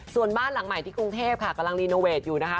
ส่วนบ้านหลังใหม่ที่กรุงเทพค่ะกำลังรีโนเวทอยู่นะคะ